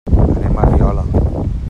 Anem a Riola.